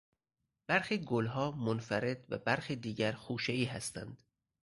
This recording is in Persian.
برخی گلها منفرد و برخی دیگر خوشهای هستند.